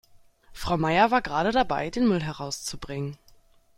Frau Meier war gerade dabei, den Müll herauszubringen.